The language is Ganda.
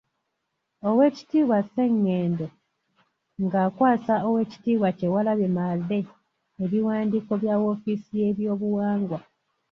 Oweekitiibwa Ssengendo ng'akwasa oweekitiibwa Kyewalabye Male ebiwandiiko bya woofiisi y'ebyobuwangwa.